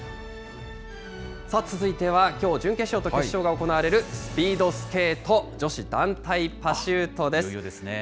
続いては、きょう、準決勝と決勝が行われるスピードスケート女子団体パシュートです。